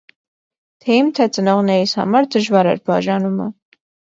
Թե՛ իմ, թե՛ ծնողներիս համար դժվար էր բաժանումը։